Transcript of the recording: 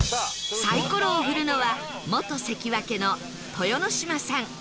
サイコロを振るのは元関脇の豊ノ島さん